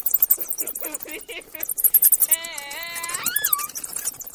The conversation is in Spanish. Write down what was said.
Más tarde descubriría su pasión por la interpretación.